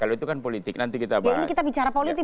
kalau itu kan politik nanti kita bahas